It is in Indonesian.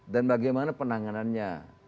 dan bagaimana penanganannya